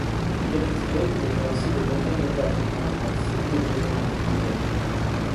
L'Érythrée devient ainsi le neuvième État africain à participer aux Jeux olympiques d'hiver.